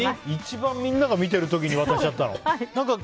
一番、みんなが見てる時に渡しちゃったの？